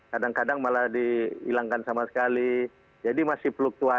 kadang kadang malah dihilangkan sama sekali jadi masih fluktuasi begitu ya